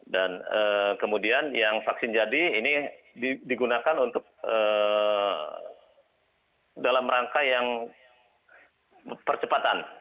dan kemudian yang vaksin jadi ini digunakan untuk dalam rangka yang percepatan